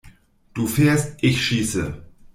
Du fährst, ich schieße!